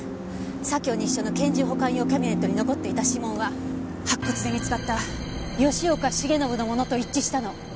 左京西署の拳銃保管用キャビネットに残っていた指紋は白骨で見つかった吉岡繁信のものと一致したの。